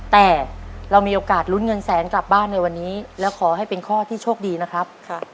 แต่เรามีโอกาสลุ้นเงินแสนกลับบ้านในวันนี้และขอให้เป็นข้อที่โชคดีนะครับ